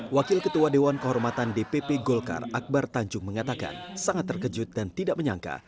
wakil ketua dewan kehormatan dpp golkar akbar tanjung mengatakan sangat terkejut dan tidak menyangka